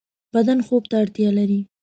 بدن خوب ته اړتیا لری